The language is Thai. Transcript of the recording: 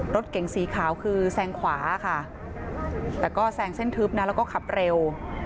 รถเก๋งสีขาวคือแซงขวาค่ะแต่ก็แซงเส้นทึบนะแล้วก็ขับเร็ว